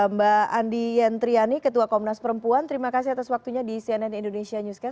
mbak andi yentriani ketua komnas perempuan terima kasih atas waktunya di cnn indonesia newscast